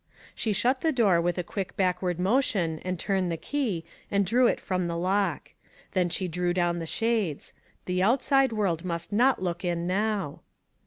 She shut the door with a quick backward motion, and turned N the key, and drew it from the lock. Then she drew down the shades ; the outside world must not look in now.